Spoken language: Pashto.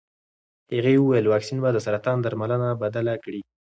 هغې وویل واکسین به د سرطان درملنه بدله کړي.